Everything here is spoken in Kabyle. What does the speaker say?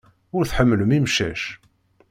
Ur tḥemmlem imcac.